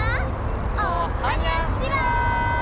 おはにゃちは！